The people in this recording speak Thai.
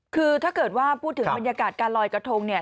คือถ้าเกิดว่าพูดถึงบรรยากาศการลอยกระทงเนี่ย